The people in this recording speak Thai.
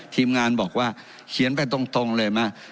ทีมงานบอกว่าเขียนไปตรงเลยมา